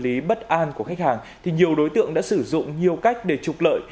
lợi dụng tâm lý bất an của khách hàng thì nhiều đối tượng đã sử dụng nhiều cách để trục lợi